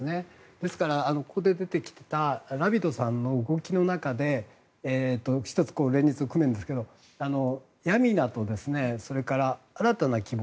ですから、ここででてきたラピドさんの動きの中で１つ、連立を組むんですがヤミナとそれから新たな希望。